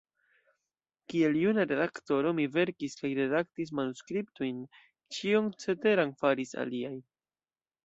Kiel juna redaktoro mi verkis kaj redaktis manuskriptojn; ĉion ceteran faris aliaj.